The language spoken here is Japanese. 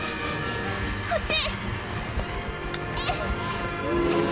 こっち！